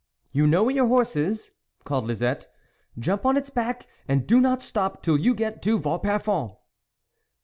" You know where your horse is " called Lisette " jump on its back, and do not stop till you get to Vauparfond."